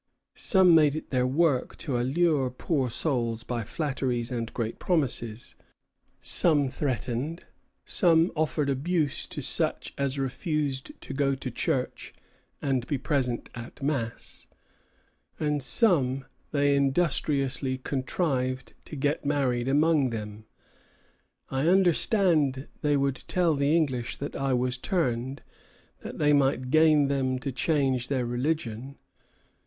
Some made it their work to allure poor souls by flatteries and great promises; some threatened, some offered abuse to such as refused to go to church and be present at mass; and some they industriously contrived to get married among them. I understood they would tell the English that I was turned, that they might gain them to change their religion.